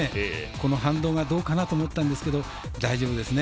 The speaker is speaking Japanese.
この反動がどうかなと思ったんですが大丈夫ですね。